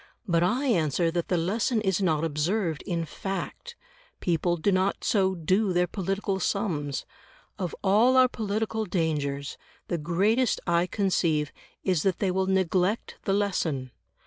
But I answer that the lesson is not observed in fact; people do not so do their political sums. Of all our political dangers, the greatest I conceive is that they will neglect the lesson.